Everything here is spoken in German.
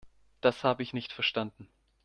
Das habe ich nicht verstanden.